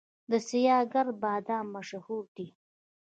د سیاه ګرد بادام مشهور دي